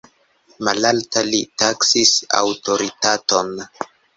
Malalta li taksis aŭtoritaton.